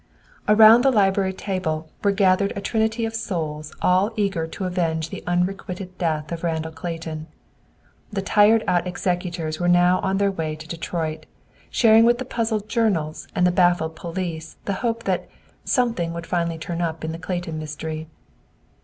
Around the library table were gathered a trinity of souls all eager to avenge the unrequited death of Randall Clayton. The tired out executors were now on their way to Detroit, sharing with the puzzled journals and the baffled police the hope that "something would finally turn up in the Clayton mystery."